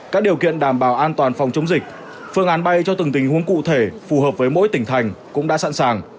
các điều kiện đảm bảo an toàn phòng chống dịch phương án bay cho từng tình huống cụ thể phù hợp với mỗi tỉnh thành cũng đã sẵn sàng